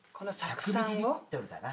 １００ミリリットルだな。